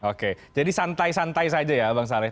oke jadi santai santai saja ya bang saleh